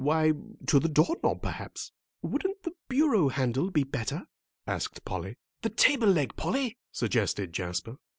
"Why, to the door knob, perhaps." "Wouldn't the bureau handle be better?" asked Polly. "The table leg, Polly," suggested Jasper.